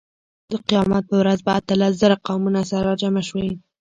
د قیامت په ورځ به اتلس زره قومونه سره راجمع شي.